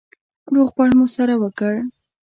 روغبړ مو سره وکړ.